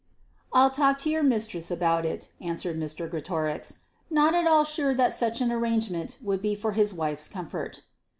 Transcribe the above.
"I'll talk to your mistress about it," answered Mr. Greatorex, not at all sure that such an arrangement would be for his wife's comfort.